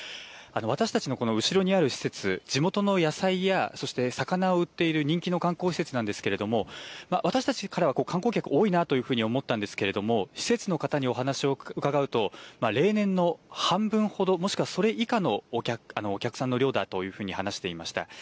私たちの後ろにある施設、地元の野菜やそして魚を売っている人気の観光施設なんですけれども私たちからは観光客多いなというふうに思ったんですけれども施設の方にお話を伺うと例年の半分ほど、もしくはそれ以下のお客さんの量だというふうに話していました。